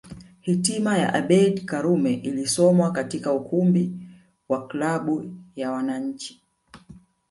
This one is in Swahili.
Hitma ya Abeid Karume ilisomwa katika ukumbi wa klabu ya wananchi